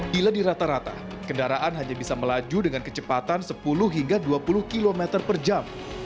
bila di rata rata kendaraan hanya bisa melaju dengan kecepatan sepuluh hingga dua puluh km per jam